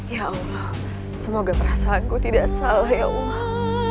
ya allah semoga perasaanku tidak salah ya allah